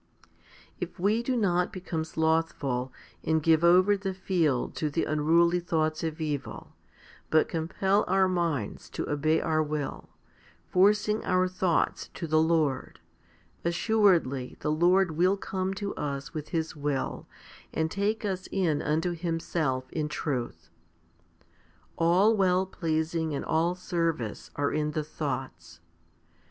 21 3. If we do not become slothful and give over the field to the unruly thoughts of evil, but compel our minds to obey our will, forcing our thoughts to the Lord, assuredly the Lord will come to us with His will and take us in unto Himself in truth. All well pleasing and all service are in the thoughts.